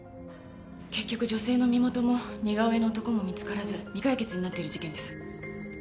結局女性の身元も似顔絵の男も見つからず未解決になっている事件です。